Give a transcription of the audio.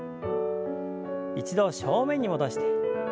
一度正面に戻して。